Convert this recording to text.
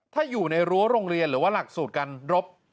ถ้าอยู่ในรั้วโรงเรียนหรือว่าหลักสูตรการรบ